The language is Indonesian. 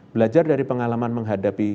belajar dari pengalaman menghadapi